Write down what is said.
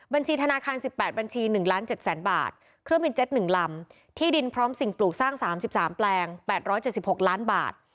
บัญชีธนาคาร๑๘บัญชี๑ล้าน๗แสนบาทเครื่องบินเจ็ต๑ลำที่ดินพร้อมสิ่งปลูกสร้าง๓๓แปลง๘๗๖ล้านบาท